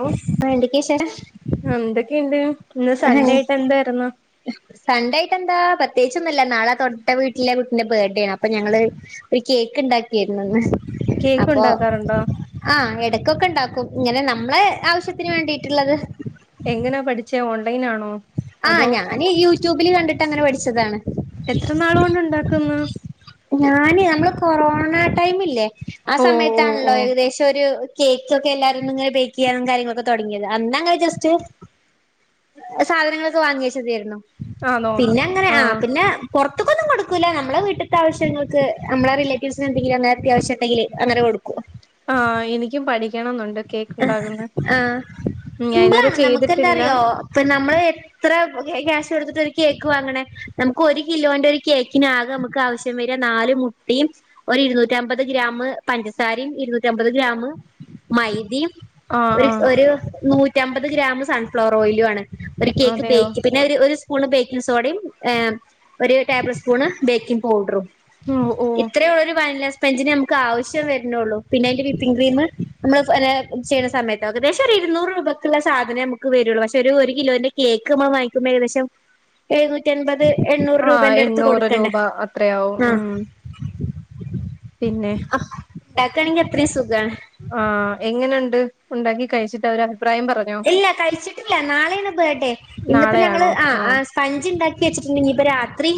ഓ എന്തൊക്കെയാ വിശേഷം എന്തൊക്കെയുണ്ട് ഇന്ന് സൺഡേ ആയിട്ട് എന്തായിരുന്നു സൺഡേ ആയിട്ട് എന്താ പ്രത്യേകിച്ചൊന്നുവില്ല നാളെ തൊട്ട് വീട്ടിലെ കുട്ടിന്റെ ബേർത്ത്ഡേ ആണ് അപ്പൊ ഞങ്ങള് ഒരു കേക്ക് ഇണ്ടാക്കിയിരുന്നു കേക്ക് അപ്പൊ ഉണ്ടാക്കാറുണ്ടോ ആഹ് എടക്കൊക്കെ ഇണ്ടാക്കും ഇങ്ങനെ നമ്മളെ ആവശ്യത്തിന് വേണ്ടിയിട്ടുള്ളത്. എങ്ങനാ പഠിച്ചേ ഓൺലൈൻ ആണോ ആ അതോ ഞാന് യൂട്യൂബിൽ കണ്ടിട്ട് അങ്ങനെ പഠിച്ചതാണ് എത്ര നാള് കൊണ്ട് ഉണ്ടാക്കുന്നു ഞാന് നമ്മള് കൊറോണ ടൈമില്ലേ ആ ഓ ഓ സമയത്താണല്ലോ ഓ ഏകദേശം ഒരു കേക്ക് ഒക്കെ എല്ലാരും ഇങ്ങനെ ബേക്ക് ചെയ്യാനും കാര്യങ്ങളൊക്കെ തുടങ്ങിയത് അന്നങ്ങനെ ജസ്റ്റ് സാധനങ്ങളൊക്കെ വാങ്ങി വച്ചു മതിയാരുന്നു ആണോ പിന്നെ അങ്ങനെ ആ പിന്നെ പുറത്തൊക്കൊന്നും കൊടുക്കൂല്ല നമ്മുടെ വീട്ടത്തെ ആവശ്യങ്ങൾക്ക് നമ്മള റിലേറ്റീവ്സിന് എന്തെങ്കിലും അങ്ങനെ അത്യാവശ്യം ഉണ്ടെങ്കില് അങ്ങനെ കൊടുക്കും ആ എനിക്കും പഠിക്കണംന്നുണ്ട് കേ ആ ഇതുവരെ സിമ്പിളാണ് നമുക്ക് എന്താ ചെയ്തിട്ടില്ല അറിയോ ഇപ്പൊ നമ്മള് എത്ര ക്യാഷ് കൊടുത്തിട്ട ഒരു കേക്ക് വാങ്ങണേ നമുക്ക് ഒരു കിലോന്റെ ഒരു കേക്കിന് ആക നമുക്ക് ആവശ്യം വരു നാല് മുട്ടയും ഒരു ഇരുന്നൂറ്റി അമ്പത് ഗ്രാംമ് പഞ്ചസാരയും ഇരുന്നൂറ്റി അമ്പത് ഗ്രാംമ് മൈതയും ആ ഒരു ആ ഒരു നൂറ്റമ്പത് ഗ്രാംമ് സൺഫ്ലവർ ഓയിലും ആണ് ഒരു കേക്ക് അതെയോ ബേക്ക് പിന്നെ ഒരു സ്പൂൺ ബേക്കിംഗ് സോഡയും ഏഹ് ഒരു ടേബിൾ സ്പൂണ് ബേക്കിംഗ് പൗഡറും ഓ ഓ ഇത്രേ ഉള്ളരു വാനിലാ സ്പെഞ്ചിന് നമുക്ക് ആവശ്യം വരുന്നുള്ളൂ പിന്നെ അതിന്റെ വിപ്പിംഗ് ക്രീം നമ്മള് ചെയ്യണസമയത്ത് ഏകദേശം ഒരു ഇരുന്നൂറ് രൂപയ്ക്കുള്ള സധനവേ നമുക്ക് വരുള്ളൂ പക്ഷെ ഒരു കിലോന്റെ കേക്ക് നമ്മള് വാങ്ങിക്കുമ്പ ഏകദേശം എഴുന്നൂറ്റി അൻപത് എണ്ണൂറ് ആ രൂപേന്റെ അടുത്ത് എണ്ണൂറ് കൊടുക്കണ്ടേ രൂപ അത്രയാവും ഉം പിന്നെ ആ ആ ഇണ്ടാക്ക ആണെങ്കി അത്രയും സുഖാണ് ആ എങ്ങന്ണ്ട് ഉണ്ടാക്കി കഴിച്ചിട്ട് അവര് അഭിപ്രായം പറഞ്ഞ ഇല്ല കഴിച്ചിട്ടില്ല നാളെയാണ് ബർത്ത്ഡേ ഇന്നിപ്പോ ഞങ്ങള് നാളെയാണോ ആഹ് ആ ആഹ് പഞ്ച് ഉണ്ടാക്കി വെച്ചിട്ടുണ്ട് ഇനിഇപ്പ രാത്രി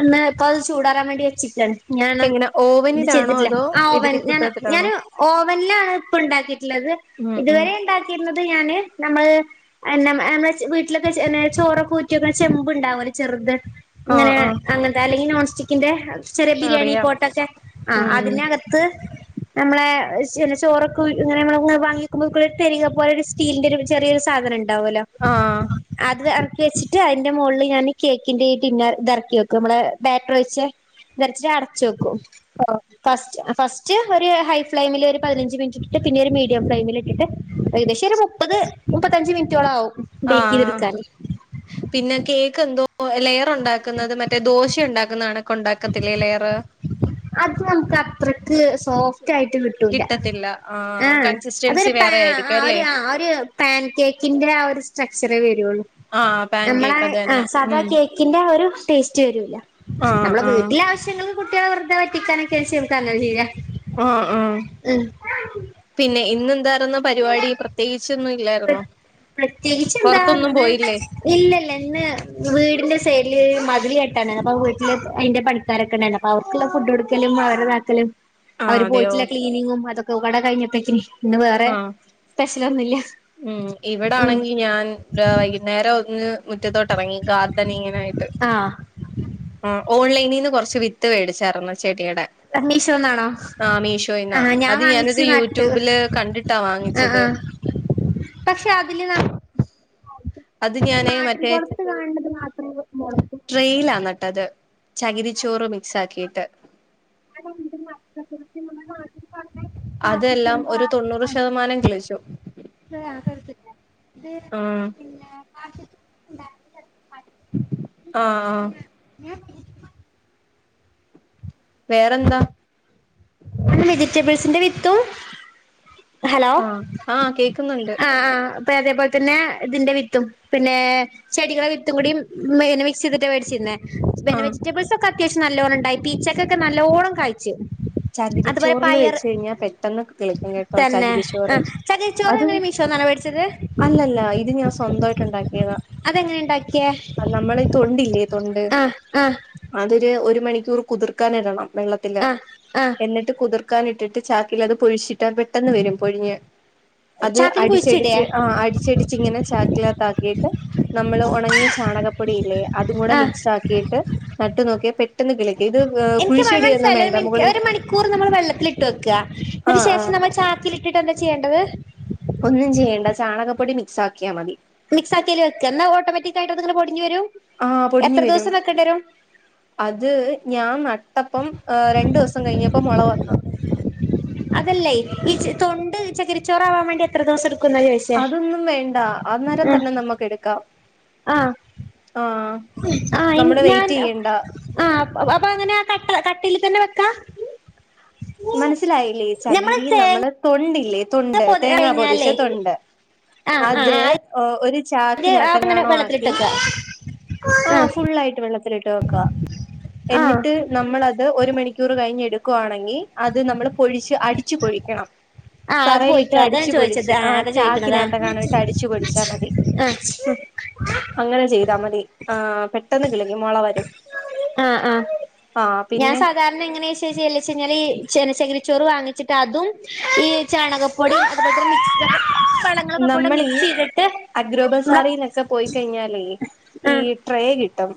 അന്ന് ഇപ്പ അത് ചൂടാറാൻ വേണ്ടി വെച്ചിട്ടാണ് ഞാന് എങ്ങനെ ഇത് ഓവനിലാണോ ചെയ്തിട്ടില്ല അതോ ആ ഓവൻ ഞാൻ ഇഡലിക്കുട്ടത്തിലാണോ ഞാന് ഓവനിലാണ് ഇപ്പ ഉണ്ടാക്കിട്ടുള്ളത് ഉം ഉം ഇതുവരെ ഉണ്ടാക്കിയിരുന്നത് ഞാന് നമ്മള് എന്ന നമ്മടെ വീട്ടിലൊക്കെ ചോറൊക്കെ ഊറ്റി വെക്കുന്നെ ചെമ്പുണ്ടാവുംലോ ചെറുത് ആഹ് ഇങ്ങനെ ആഹ് അങ്ങനത്തെ അല്ലെങ്കി നോൺസ്റ്റിക് ന്റെ ചെറിയ ബിരിയാണി അറിയാം പോട്ടൊക്കെ ആ ഉം അതിനകത്ത് നമ്മളെ ചോ ചോറൊക്കെങ്ങന വാങ്ങി വെക്കുമ്പോ തിരിക പോലോരു സ്റ്റീലിന്റെ ഒരു ചെറിയ ഒരു സാധനം ഉണ്ടാവുല്ലോ ആഹ് അത് ഇറക്കി വെച്ചിട്ട് അതിന്റെ മുകളിൽ ഞാൻ കേക്കിന്റെ ഈ ടിന്നർ ഇത് ഇറക്കി വെക്കും നമ്മളെ ബാറ്ററ് ഒഴിച്ച വെച്ചിട്ട് അടച്ച് വെക്കും ഫസ്റ്റ് ഫസ്റ്റ് ട്ട് ഒരു ഹൈ ഫ്ലെയിമിൽ ഒരു പതിനഞ്ച് മിനിറ്റ് ഇട്ടിട്ട് പിന്നെ ഒരു മീഡിയം ഫ്ലെയിമിലിട്ടിട്ട് ഏകദേശം ഒരു മു മുപ്പത് മുപ്പത്തഞ്ച് മിനിറ്റോളം ആവും ആ ബേക്ക് ചെയ്തെടുക്കാന് പിന്നെ കേക്ക് എന്തോ ഓ ലെയർ ഉണ്ടാക്കുന്നത് മറ്റേ ദോശ ഉണ്ടാക്കുന്ന കണക്ക് ഉണ്ടാക്കത്തില്ലേ ലെയറ് അത് നമുക്ക് അത്രക്ക് സോഫ്റ്റ് ആയിട്ട് കിട്ടൂല കിട്ടത്തില്ല ആ ആഹ് കൺസിസ്റ്റൻസി അതൊരു പ വേറെ ആ ആയിരിക്കും അല്ലേ ഒരു ഒരു പാൻ കേക്കിന്റെ ആ ഒരു സ്ട്രക്ച്ചറെ വരുള്ളൂ ആഹ് പാൻ നമ്മള കേക്ക് അത് ആ തന്നെ ഉം സാധകേ ക്കിന്റെ ഒരു ടേസ്റ്റ് വരുല്ല ആഹ് നമ്മള ആഹ് വീട്ടിലെ ആവശ്യങ്ങള് കുട്ടികള ളെ പറ്റിക്കാൻ ഒക്കെ ഒരു ചെറുതാ ഞാൻ ചെയ്യാ ആഹ് ആഹ് പിന്നെ ഇന്ന് എന്താരുന്നു പരിപാടി പ്രത്യേകിച്ചൊ ല്ലാരുന്നോ പുറത്തൊന്നും പോയില്ലേ ഇല്ല ഇല്ല ഇന്ന് വീടിന്റെ സൈഡില് മതില് കേട്ടാണ് അപ്പൊ വീട്ടില് അയിന്റെ പണി [unintelligible] രൊക്ക അപ്പോ അവർക്കുള്ള ഫുഡ് എടുക്കലും അവരെതാക്കലും ആഹ് അവര് അതെയോ പോയിട്ടില്ല ക്ലീനിങ്ങും, അതൊക്കെ പാടെ കഴിഞ്ഞത്തേക്കിന് ഇന്ന് വേറെ ആഹ് സ്പെഷ്യലൊന്നുല്ല ഉം. ഇവിടെ ഉം ആണെങ്കിൽ ഞാൻ വൈകുന്നേരം ഒന്ന് മുറ്റത്തോട്ട് ഇറങ്ങി ഗാർഡനിങ്ങിനായിട്ട് ആഹ് മ്. ഓൺലൈനിന്ന് കുറച്ച് വിത്ത് മേടിച്ചാരന്ന് ചെടിടെ മീഷോന്നാണോ ആഹ മീഷോയിന്നാ ആഹ് ഞാൻ അത് വാങ്ങിച്ച് ഞാനത് നട്ട് യൂട്യൂബില് കണ്ടിട്ടാ ആഹ് വാങ്ങിച്ചത്. ആഹ് പക്ഷെ അതില ന. അത് ഞാനേ മറ്റേ കാണത് മാത്രമ മുളക്ക ട്രെയിലന്ട്ടത് ചകിരിച്ചോറ് മിക്സ് ആക്കിയിട്ട് [inaudible] അതെല്ലാം ഒരു തൊണ്ണൂറ് ശതമാനം കിളിച്ചു. അത ആ [unintelligible] ല്ല അ ആ പിന്നെ കാ ആഹ് ഉം വേറെന്താ പിന്നെ വെജിറ്റബിൾസിന്റെ വിത്തും, ഹലോ ആ ആ കേക്കുന്നുണ്ട് ആഹ ആ പിന്നെ അതേപോലെ തന്നെ ഇതിന്റെ വിത്തും പിന്നെ. ചെടികള വിത്തും കൂടിം പി മിക്സ് ചെയ്തിട്ട് മേടിച്ചിരുന്നേ ആ പിന്നെ വെജിറ്റബിൾസ് ഒക്കെ അത്യാവശ്യം നല്ലോണ്ണം ഉണ്ടായി പിഇച്ചക്കൊക്കെ നല്ലോണം കായ്ച്ചു. അതുപോലെ ചകിരിച്ചോറിൽ പയർ വെച്ച് കഴിഞ്ഞാൽ പെട്ടെന്ന് കിളിക്കും കേട്ടോ തന്നെ ആ ചകിരിച്ചോറ് ചകിരി. ചോറ എങ്ങനെ മിഷോന്നാണോ മേടിച്ചത്? അല്ല അല്ല ഇത് ഞാൻ സ്വ ന്തയിട്ടുണ്ടാക്കിയതാ അതെങ്ങനെ ഉണ്ടാക്കിയേ നമ്മള് തൊണ്ടില്ലേ തൊണ്ട് ആ ആ അതൊരു ഒരു മണിക്കൂർ കുതിർക്കാനിടണം വെള്ളത്തില് ആ ആ എന്നിട്ട് കുതിർ കുതിർക്കാനിട്ടട്ട് ചാക്കിൽ അത് പൊഴിച്ചിട്ട പെട്ടെന്ന് വരും പൊഴിഞ് അത് ചാക്കില് കുഴിച്ചിടേ അടിച്ചടിച്ച് ആ അടിച്ചടിച്ച് ഇങ്ങനെ ചക്കിലതാകിട്ട് നമ്മള് ഉണങ്ങിയ ചാണകപ്പൊടിയില്ലേ അതും കൂടെ ആ മിക്സ് ആക്കിയിട്ട് നട്ടു നോക്കിയ പെട്ടെന്ന് കിള ഇത് എനിക്ക് കുഴിച്ചുടന്നും വേ. മനസ്സിലായില്ല ഒരു മിനിറ്റ് ഒരു മണിക്കൂർ നമ്മൾ വെള്ളത്തിലിട്ട് വെക്ക. ആ ന്നിട്ട് ആ ശേഷം നമ്മൾ ചാക്കിൽ ഇട്ടിട്ട് എന്താ ചെയ്യേണ്ടത് ഒന്നും ചെയ്യേണ്ട ചാണകപ്പൊടി മിക്സ് ആക്കിയാൽ മതി. മിക്സാക്കിഅയില് വെക്ക എന്നാ ഓട്ടോമാറ്റിക്കായിട്ട് അതു പൊടിഞ്ഞ് വരും? ആഹ് പൊടിഞ് എത്ര വരും ദിവസം വെക്കേണ്ടി വരും അത് ഞാൻ നാ ട്ടപ്പം രണ്ടു ദേവസം കഴിഞ്ഞപ്പോ മുള വന്നു അതല്ലേ ഈ തൊണ്ട് ചകിരിച്ചോറാവാൻ വേണ്ടി എത്ര ദിവസം എടുക്കുന്ന ചോദിച്ചത്? അതൊന്നും വേണ്ട അന്നേരം തന്നെ നമുക്ക് എടുക്കാം. ആ ആഹ്. ആ ഞാൻ ആ അപ്പൊ അങ്ങനെയ കട്ട കട്ടൽ തന്നെ വെക്കാ? മനസ്സിലായില്ലേ ഞമ്മള് ചകിരി നമ്മള് തേങ്ങ തൊണ്ടില്ലേ? തൊണ്ട് പൊ തേങ്ങാ കഴിഞ്ഞാലേ പൊതിച്ച തൊണ്ട് ആ ആ അത് ആ ഓ ഒരു അത് അങ്ങനെ ചാക്കിനകത്തങ്ങാണും ആക്കി വെള്ളത്തിലിട്ടക്ക ആ ഫുള്ളായിട്ട് വെള്ളത്തിലിട്ട് വെക്കുക ആ എന്നിട്ട് നമ്മളത് ഒരു മണിക്കൂർ കഴിഞ്ഞ എടുക്കുവാണെങ്കിൽ അത് നമ്മള് പൊഴിച്ച് അടിച്ചു പൊഴിക്കണം. ആ അത് തറയിലിട്ട് പോയിക്ക അതാ ഞാൻ അടിച്ചുപൊടിച്ച്ച് ചോദിച്ചത് ആ അതാ ചാക്കിനകത്തങ്ങാനും ഇട്ട് അടിച്ചുപൊഴിച്ചാ മതി ആഹ. അങ്ങനെ ചെയ്താ മതി. ആ പെട്ടെന്ന് കിളിക്കും മോള വരും. ആ ആ ആ ഞാൻ പിന്നെ സാധാരണ എങ്ങനച്ചാൽ ഈ ചന കിരി ചോറ് വാങ്ങിച്ചിട്ടഅതും ഈ ചാണക- [unintelligible] മിക്സ് [unintelligible] ളൊക്കെ കൂടെ മിക്സ് ചെയ്തിട്ട് നമ്മള അഗ്രോപസാറന്നൊക്കെ പോയിക്കഴിഞ്ഞാലേ- ഈ ആഹ് ട്രേ കിട്ടും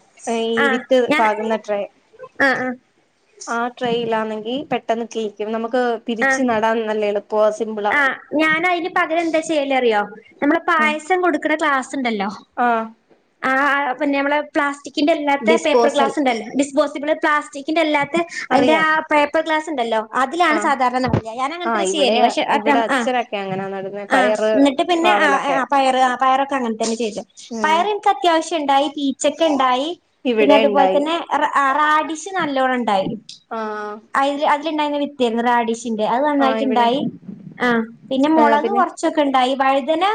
ഈ ആഹ് വിത്ത് ഞാൻ പാകുന്ന ട്രേ- ആഹ് ആഹ് ആഹ് ട്രെയിലാണെങ്കിൽ പെട്ടെന്ന് ക് നമുക്ക് ആഹ് പിരിച്ച് നടാൻ നല്ല എളുപ്പ സിമ്പിൾ- ആഹ് ഞാനതിന് പകരം എന്താ ചെയ്യല് അറിയോ നമ്മ പായസം കൊടുക്കണ ക്ലാസ് ഉണ്ടല്ലോ? ആഹ്- ആഹ് പിന്നെ നമ്മെ പ്ലാസ്റ്റിക്കിന്റെ അല്ലാത്ത പേപ്പർ ഡിസ്പോസൽ ഗ്ലാസ് ഉണ്ടല്ലോ ഡിസ്പോസിബിൾ പ്ലാസ്റ്റിക് ന്റെ അല്ലാത്ത അതിന്റെ അറിയാം ആഹ് പേപ്പർ ഗ്ലാസ് ണ്ടല്ലോ ആ അതിലാണ് സാധാരണ മജ ഞാൻ ആ അങ്ങനത്തെ ഇവിടെ ചെയ്യല് പക്ഷെ ഇവിടെ ആഹ് അച്ഛനൊക്കെ അങ്ങനാ നടന്ന ആഹ് പയറ് എന്നിട്ട് പിന്നെ പാവലൊക്കെ ആ പയറ് ആ പയറൊക്കെ അങ്ങനെ തന്നെ ചെയ്ത് [unintelligible] പയർ എനക്ക് അത്യാവശ്യണ്ടായി പീച്ചക്കെ ണ്ടായി പിന്നെ ഇവിടെ അതുപോലെ ഇണ്ടായി തന്നെ റാഡിശ് നല്ലോണം ണ്ടായി. ആ അതിൽ അതിലുണ്ടായിര വിത്യ റാഡിഷിന്റെ അത് ആ ഇവിടെ നന്നായിട്ടുണ്ടായി. ആഹ് പിന്നെ ആ മുളക് പിന്നെ കുറച്ചൊക്കെ ണ്ടായി വഴുതന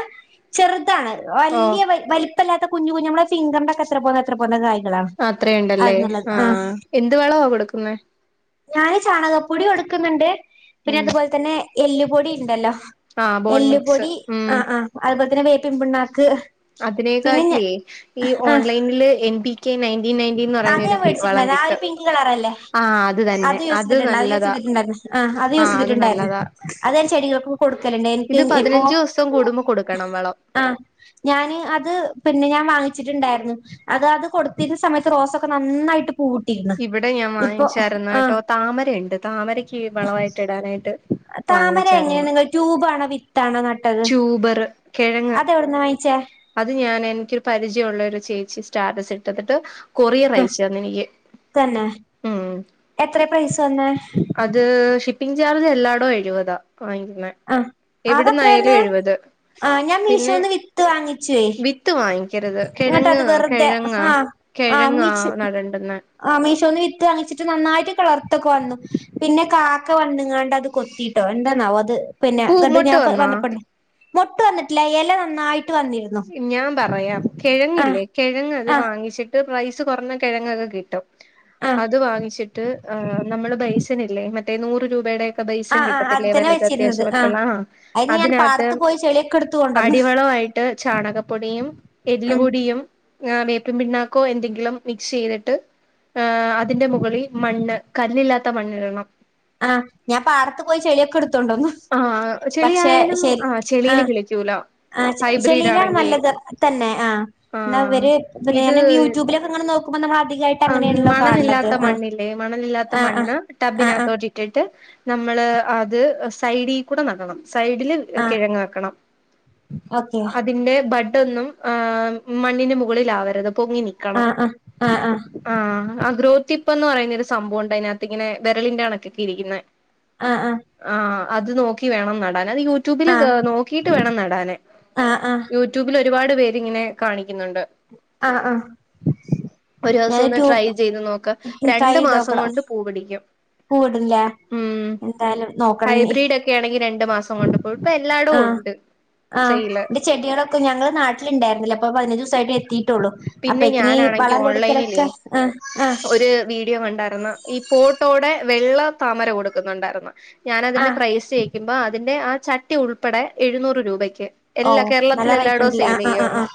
ചെറുതാണ്. ഓ വല്ല്യയ വലിപ്പല്ലാത്ത കുഞ്ഞു കുഞ്ഞു നമ്മള് - ഫിങ്കറിന്റെ ഒക്കെ എത്ര പോന്ന എത്ര പോന്ന കായ്കളാണ് അത് അത്രയുണ്ടല്ലേ നല്ലത് ആ ആഹ്- എന്ത് വളവാ കൊടുക്കുന്നെ ഞാന് ചാണകപ്പൊടി കൊടുക്കുന്നുണ്ട് പിന്നെ ഉം അതുപോലെ തന്നെ. എല്ലുപൊടി ണ്ടല്ലോ ആ ബോൺ മിക്സ് എല്ലുപൊടി ഉം ആഹ് ആഹ് അതുപോലെ തന്നെ വേപ്പിപുണ്ണാക്ക്- അതിനെക്കാട്ടിലേ ഈ ഓൺലൈനില് എൻ ബ കെ നയന്റ്റീൻ നയന്റ്റീ എന്ന് അത് പറയുന്നരു ഞാൻ വളം മേടിച്ചിട്ടുണ്ടായിരുന്നു ആ ഒരു കിട്ടും. പിങ്ക് കളറല്ലേ ആഹ് തന്നെ അത് യൂസ് ചെയ്തിട്ടുണ്ട് അത് യൂസ് നല്ലതാ ചെയ്തിട്ടുണ്ടായിരുന്നു ആഹ് അത് യൂസ് ചെയ്തിട്ടുണ്ടായിരുന്നു. അതെ ചെടികളൊക്കെ കൊടുക്കലുണ്ടേ എനിക്ക് ഇത് പതിനഞ്ച് എപ്പൊ- ദിവസം കൂടുമ്പോ കൊടുക്കണം വളം ആഹ് ഞാന് അത് പിന്നെ ഞാൻ വാങ്ങിച്ചിട്ടുണ്ടായിരുന്നു. അത് അത് കൊടുത്തിരുന്ന സമയത്ത് റോസൊക്കെ നന്നായിട്ട് പൂവിട്ടിരുന്നു ഇവിടെ ഞാൻ ഇപ്പൊ വാങ്ങിച്ചരുന്ന ആഹ് കേട്ടോ താമരുണ്ട് താമരക്ക് വളവമായിട്ട് ഇടാനായിട്ട്. താമര എങ്ങനെയാ വാങ്ങിച്ചായിരുന്നു നിങ്ങൾ ട്യൂബണോ വിത്താണോ നട്ടത്? ടുബർ. അതെവിടന്ന് വാങ്ങിച്ചേ? അത് ഞാൻ എനിക്കൊരു പരിചയമുള്ള ഒരു ചേച്ചി സ്റ്റാറ്റസ് ഇട്ടത്തിട്ട് കൊറിയർ അയച്ചന്ന എനിക്ക്. തന്നെ എത്ര പ്രൈസ തന്ന? അത് ഷിപ്പിംഗ് ചാർജ് എല്ലായിടോ എഴുപതാ വാങ്ങിക്കുന്നത്. ആഹ് ആകത്രെ വരുന്നേ ആ ഞാൻ പിന്നെ മീശോന്ന് വിത്ത് വാങ്ങിച്ചുവേ- വിത്ത് വാങ്ങിക്കരുത് ഇങ്ങട്ട് അത് കിഴങ്ങങ് വെറുതെ കിഴങ്ങാ ആ കിഴങ്ങാ നടണ്ടന്ന് ആഹ് മീശോന്ന് വിത്ത് വാങ്ങിച്ചിട്ട് നന്നായിട്ട് കളർത്തൊക്കെ വന്നു പിന്നെ- ക്കെ വന്നങ്ങാണ്ട് അത് കൊത്തിട്ടോ എന്താന്നാവോ അത് പിന്നെ പൂ ക മൊട്ട് ഞാൻ വന്നോ വന്നപ്പ- മൊട്ട് വന്നിട്ടില്ല ഇല നന്നായിട്ട് വന്നിരുന്നു. ഞാൻ പറയാം ആ കിഴങ്ങില്ലേ കിഴങ്ങ് അത് ആ വാങ്ങിച്ചിട്ട് പ്രൈസ് കുറഞ്ഞ കിഴങ്ങൊക്കെ കിട്ടും. ആ അത് വാങ്ങിച്ചിട്ട് ആഹ് നമ്മള് ബൈസനില്ലേ മറ്റേ നൂറ് രൂപയുടെ- ആ പൈസം ആ അത് കിട്ടത്തില്ലേ തന്നെ വലത് വെച്ചിരുന്നത് ആ അത്യാവശ്യംക്കള്ളാ അതിന് ഞാൻ അതിനകത്ത് പാടത്ത് പോയി ചെളിയൊക്കെ എടുത്ത് കൊണ്ടന്ന് അടിവളയിട്ട് ചാണകപ്പൊടിയും ഉം എല്ലുപൊടി - വേപ്പൻ പിണ്ണാക്കോ എന്തെങ്കിലും മിക്സ് ചെയ്തിട്ട്. ആഹ് ഹ അതിന്റെ മുകളിൽ മണ്ണ് കല്ലില്ലാത്ത മണ്ണിടണം- ആഹ് ഞാ പാടറത്ത് പോയി ചെളിയൊക്കെ എടുത്തോണ്ടന്ന്- ആഹ് ചെളി ആയാലും ആ ചെളിൽ ആഹ് കിളിക്കൂല- ആഹ് ഹൈബ്രിഡ് ചെളിയിലാണ് ആണെങ്കി നല്ലത് തന്നെ ആഹ് എന്ന ആഹ് അവര് പി ഞാ യൂട്യൂബിലൊക്കെ ഇങ്ങനെ നോക്- ക്കുമ്പോ നമ്മള് അധികായി - ആഹ് മണലില്ലാത്ത മണ്ണില്ലേ മണലി ല്ലാത്ത ആഹ് മണ്ണ് ആഹ് ടബിന ആഹ് ആഹ് അത്തോറ്റി- ഇട്ടട്ട് നമ്മള് അത് സൈഡിൽ കൂടെ നടണം സൈഡില് ആഹ് കിഴങ്ങാക്കണം ഓക്കെ അതിന്റെ ബഡൊന്നും- ആഹ് മണ്ണിന് മുകളിലാവരുത് പൊങ്ങിനി ആഹ് ആഹ് ആഹ് ആഹ് ആഹ് ആഹ് ഗ്രോത്തിപ്പ എന്ന് പറയുന്നൊ ഒരു സംഭവം ഉണ്ട് അതിനകത്ത് ഇങ്ങനെ വിരലിന്റെ കണക്കൊക്കെ ഇരിക്കുന്ന ആഹ് ആഹ് ആഹ് അത് നോക്കി വേണം നടാൻ അത് യൂട്യൂബില് ആഹ് ആഹ് നോക്കിട്ട് വേണംനടാനെ ആഹ് ആഹ് യൂട്യൂബിൽ ഒരുപാട് പേര്ങ്ങനെ കാണിക്കുന്നുണ്ട്. ആഹ് ആഹ് ഒരു ഞാൻ ദിവസം ഒന്ന് ട്രൈ ട്യൂബ് ചെയ്ത് നോക്ക രണ്ടു മാസം കൊണ്ട് പൂ പിടിക്കും പൂവിടില്ല എന്തായാലും നോക്കണനി ക്ക ആണെങ്കി രണ്ടു മാസം കൊണ്ട് പോയി ഇപ്പ എല്ലാടും ആഹ് ഉണ്ട് ആഹ് സെയ്ൽ എന്റെ ചെടികളൊക്കെ ഞങ്ങള് നാട്ടില ഉണ്ടായിരില്ല അപ്പ പതിന ട്ട എത്തിട്ടുള്ളൂ അപ്പൊ പിന്നെ ക്കന് ഞാനാണെങ്കി വളം ഓൺലൈനിലേ കൊടുക്കലൊക്കെ ആഹ് ആഹ് ഒരു വീഡിയോ കണ്ടായിരുന്നു ഈ കോട്ടോടെ വെള്ള താമര കൊടുക്കുന്നുണ്ടായിരുന്നു ഞാൻ അതിന്റെ ആഹ് പ്രൈസ് മ്പ അതിന്റെ ആഹ് ചട്ടി ഉൾപ്പെടെ എഴുന്നൂറ് രൂപയ്ക്ക് ഓ എല്ലാ നല്ല കേരളത്തിലൽ റേറ്റ് എല്ലായിടോ ഉണ്ടല്ലേ സെയിൽ ആഹ് ആഹ് ആഹ് ചെയും ആഹ്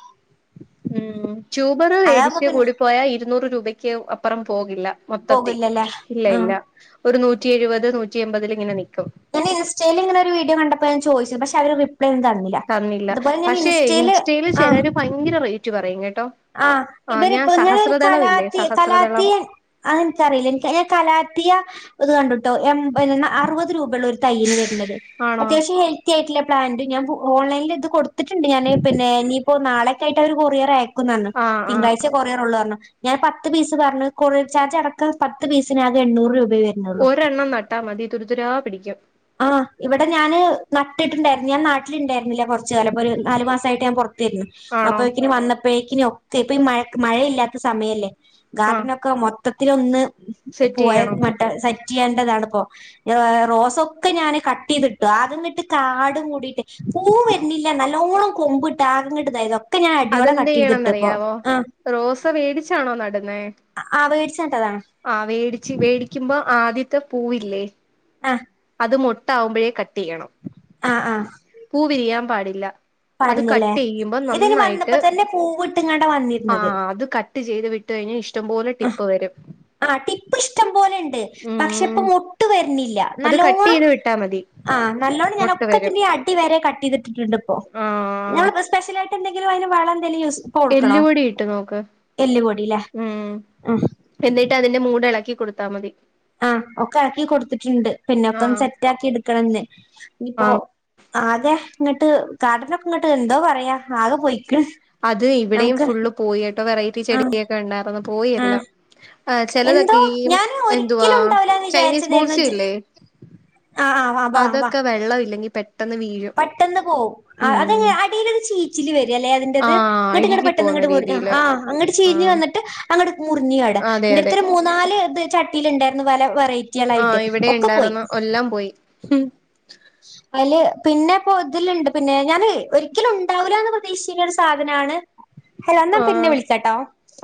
ഉം ട്യൂബർ അതാവുമ്പോ മേടിച്ച് പിന്നെ കൂടിപ്പോയാ ഇരുന്നൂറ് രൂപയ്ക്ക് അപ്പുറം പോകില്ല മൊത്തത്തിൽ പോകില്ലല്ലേ ഇല്ല ആഹ് ഇല്ല ഒരു നൂറ്റി എഴുപത് നൂറ്റി എമ്പതിൽ ഇങ്ങനെ നിൽക്കും ഞൻ ഇൻസ്റ്റയിൽ ഇങ്ങനെ വഡിയോ കണ്ടപ്പോ ഞാൻ ചദിച്ചത് പക്ഷ അവര് ഒരു റിപ്ലൈ ഒന്നുംതന്നില്ല തന്നില്ല പക്ഷേ ഇൻസ്റ്റൽ ആഹ് ചിലര് ഭയങ്കര റേറ്റ് പറയും കേട്ടോ ആഹ് ആ ഞാൻ ഇവര്പ്പൊഞ്ഞരു സഹസ്രദളം ഇല്ലേ കലാത്തി സഹസ്രദളം കലാത്തിയ അതെനിക്കറിയില്ല എനിക്ക് ഞാൻ കലാത്തിയ ഇത് കണ്ടിട്ടോ എ അറുപത് ത് രൂപയള്ള ഒരു തയ്യന് വരുന്നത് ആണോ അത്യാവശ്യം ഹെ ത്തിയായിട്ടുള്ള പ്ലാന്റ് ഞാൻ ഓൺലൈനിൽ ഇത് കൊടുത്തിട്ടുണ്ട് ഞാന് പിന്നെ ഇനിയിപ്പോ നാളക്കായിട്ട് ഒര കൊറിയർ ആയ ക്കുന്ന് പറഞ്ഞ് ആ ആ തിങ്കളഴ് ചകൊറിയറള്ളൂന്ന് പറഞ്ഞ ഞാൻ പത്ത്പീസ് പറഞ്ഞ് കൊറിയ ചാജ് അടക്ക പത്ത് പീസിന് ആകെ എണ്ണൂറ്രൂപ വരും ഒരെണ്ണം നട്ടാൽ മതി തുരിതുരാ പിടിക്കും ആഹ ഇവിടെ ഞാന് നട്ടിട്ടുണ്ടായിരുന്നു ഞാൻ നാട്ടിലുണ്ടായിന്നില്ല കുറച്ച കാലപ്പോ ഒരു നാല് മാസയിട്ട് ഞാൻ പുറത്തരുന്നു ആണോ അപ്പഴേക്കിനി വന്നപ്പോഴേക്കിന ഒക്കെ ഇപ്പ ഈ മഴ മഴയില്ലാത്ത സമയല്ലേ ആ ഗാർഡൻ ഒക്കെ മൊ മൊത്തത്തിലൊന്ന് സെറ്റ് പോയ ചെയ്യണം മട്ട സെറ്റ് ചെയ്യേണ്ടതാണ്പ്പോ റോസ ക്കെ ഞാന് കട്ട് ചെയ്തിട്ടു അദ്യം തോട്ട് കാടും മൂടിയിട്ട് പൂ വരുന്നില്ല നല്ലോണം കൊമ്പിട്ട് ആകങ്ങിട്ട്തായതോ അതെന്ത് ചെയ്യണന്ന്റിയാവോ റോസ് മേടിച്ചാണോ നടുന്നേ ആഹ് മേടിച്ചെട്ടതാണ് ആ പ വേടിച്ച് വേടിക്കുമ്പോ ആദ്യത്തെ പൂവില്ലേ ആഹ് അത് മുട്ട ആകുമ്പോഴേ കട്ട് ചെയ്യണം ആഹ് ആഹ് പൂ വിരിയാൻ പാടില്ല അത് പടില്ലല്ലേ കട്ട് ചെയ്യുമ്പോ ഇതിന് വന്നപ്പോ തന്നെ പൂവിട്ടിങ്ങാണ്ട വന്നി ആഹ് അത് കട്ട് ചെയ്ത് വിട്ട് കഴിഞ്ഞാൽ ഇഷ്ടം പോലെ ടിപ്പ് വരും ആഹ് ടിപ്പ് ഇഷ്ടം പോലെ ഉണ്ട് പക്ഷെ ഉം ഇപ്പം മുട്ട് വരുന്നില്ല അത് കട്ട് നല്ലോണം ചെയ്ത് വിട്ടാ മതി ആഹ് നല്ലോണം ഞാൻ മൊട്ട വരും ഒക്കത്തിന്റെ അടി വരെ കട്ട് ചെയ്തിട്ടിട്ടുണ്ട് ഇപ്പോ ആ ഞനു സ്പെഷ്യല ആയിട്ട് എന്തെങ്കിലും അതിന് വളം എന്തേല യൂ എല്ലുപൊടി ഇട്ട് നോക്ക് ഉം ആ എന്നിട്ടതിന്റെ മൂട് എളക്കിക്കൊടുത്താ മതി ആഹ് ഒക്കെ ഇളക്കി കൊടുത്തിട്ട് ഇണ്ട് ആ പിന്നൊക്കൊന്ന് സെറ്റാക്കി എടുക്കണംന്ന് ഇനിപ്പോ ആ ആകെ ഇങ്ങട്ട് കാർഡനൊക്കിങ്ങട്ടെന്തോ പറയാ ആകെ പോയ്ക്ക്ണ് അത് ഇവിടെയും ഫുള്ള് പോയിയെട്ടോ വെറൈറ്റി ആ ചെടിയൊക്കെണ്ടായിരുന്നു ആ പോയിയെല്ലാം എന്തോ ഞാൻ എന്തുവാ ഒരിക്കലുണ്ടാവുലാ ചൈനീസ് വിചാരിച്ചതേര്ന്നു ബോൾസി ജെ ഇല്ലേ ആഹ് ആഹ് വാ വാ വാ അതൊക്കെ വെള്ളം ഇല്ലെങ്കി പെട്ടെന്ന് വീഴും പട്ടെന്ന് പോവും അതെ ഉം അടീലൊരു ചീച്ചില് വരല്ലെ അതിന്റെത് ആഹ് ഇങ്ങട്ട് ഇങ്ങട് അഴുകി പോവുന്ന പെട്ടെന്നിങ്ങട് മുർ രീതിയില് ആഹ് അങ്ങ്ട്ട് ചീഞ് ആഹ് വന്നിട്ട് അങ്ങ്ട്ട് മുറിഞ്ഞ് ആട അതെ അതെ ഇൻ്റെട്ത്തൊരു മൂ നാല് ഇത് ചട്ടിയിലിണ്ടായിരുന്നു പല വെറൈറ്റി ആഹ് ഇവിടെയുണ്ടായിരുന്നു എല്ലാം പോയി അതില് പിന്നെപ്പോ ഇതിലുണ്ട് പിന്നെ ഞാൻ ഒരിക്കലും ഉണ്ടാവൂല എന്ന് പ്രതീക്ഷിക്കുന്ന ഒരു സാധനാണ് [inaudible] ഹലോ ഇന്നാ പിന്നെ ആഹ് വിളിക്കാട്ടോ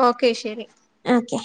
ഓക്കെ ശെരി ഓക്കെ